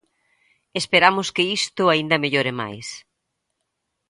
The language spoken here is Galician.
Esperamos que isto aínda mellore máis.